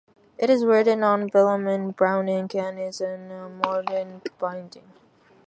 It is written on vellum in brown ink and is in a modern binding.